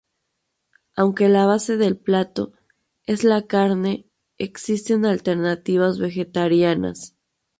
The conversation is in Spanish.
Aunque la base del plato, es la carne, existen alternativas vegetarianas.